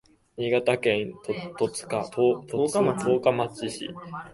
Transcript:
新潟県十日町市